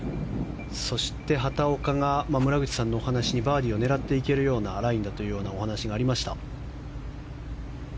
そして畑岡が、村口さんのお話にバーディーは狙っていけるようなラインだというお話がありました。